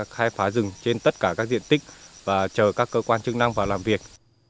khai phá rừng trên tất cả các diện tích và chờ các cơ quan chức năng vào làm việc